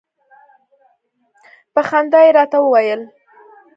په خندا يې راته وویل.